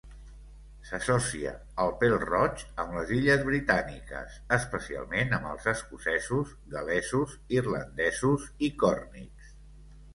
S'associa el pèl-roig amb les Illes Britàniques, especialment amb els escocesos, gal·lesos, irlandesos i còrnics.